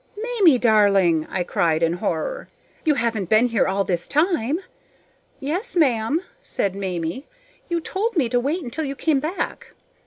"Mamie darling!" I cried in horror. "You haven't been here all this time?" "Yes, ma'am," said Mamie; "you told me to wait until you came back."